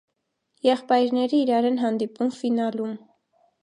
Եղբայրները իրար են հանդիպում ֆինալում։